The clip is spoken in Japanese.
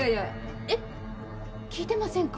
えっ聞いてませんか？